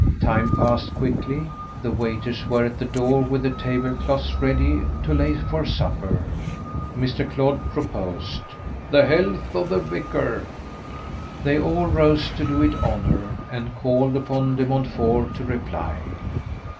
Time passed quickly; the waiters were at the door with the table cloths ready to lay for supper. Mr. Clodd proposed "The Health of the Vicar." They all rose to do it honour, and called upon De Montfort to reply.